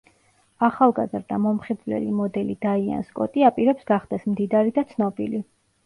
ახალგაზრდა, მომხიბვლელი მოდელი დაიან სკოტი აპირებს გახდეს მდიდარი და ცნობილი.